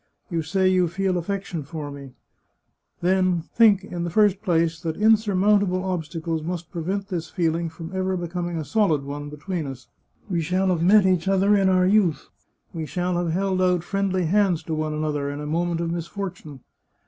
You say you feel affection for me. Think, in the first place, that insurmountable obstacles must prevent this feeling from ever becoming a solid one between us. We shall have met each other in our youth; we shall have held out friendly hands to one another, in a moment of misfortune.